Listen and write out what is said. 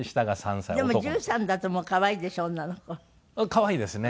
可愛いですね。